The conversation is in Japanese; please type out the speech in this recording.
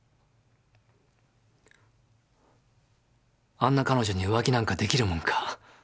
あんな彼女に浮気なんかできるもんか。